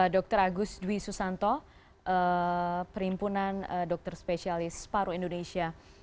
dr agus dwi susanto perimpunan dokter spesialis paru indonesia